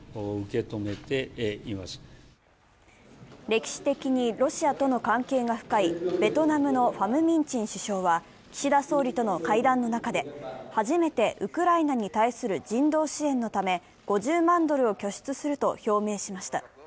歴史的にロシアとの関係が深いベトナムのファム・ミン・チン首相は岸田総理との会談の中で初めてウクライナに対する人道支援のため５０万ドルを拠出すると表明しました。